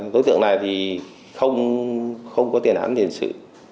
đối tượng này thì không có tiền án tiền sự